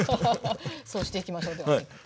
そうしていきましょうでは。